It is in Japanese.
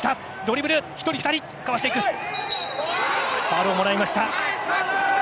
ファウルをもらいました。